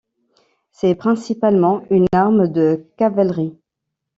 C'est principalement une arme de cavalerie.